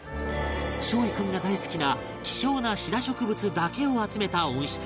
梢位君が大好きな希少なシダ植物だけを集めた温室